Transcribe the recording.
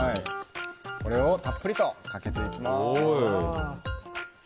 これをたっぷりとかけていきます。